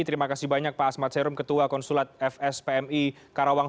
terima kasih banyak pak asmat serum ketua konsulat fspmi karawang